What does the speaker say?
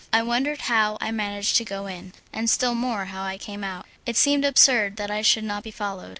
I wondered how I managed to go in, and still more how I came out; it seemed absurd that I should not be followed.